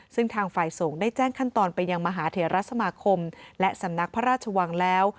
ซึ่งทางฝ่ายส่งได้แจ้งขั้นตอนไปยังมหาเทรสมาคมและสำนักพระราชวังแล้ว